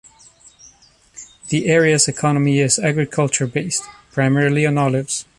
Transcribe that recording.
The area's economy is agriculture-based, primarily on olives.